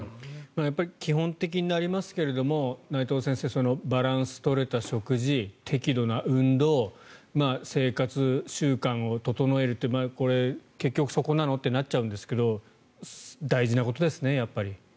基本的になりますが内藤先生バランス取れた食事適度な運動生活習慣を整えるって結局そこなのってなっちゃうんですけど大事なことですね、やっぱり。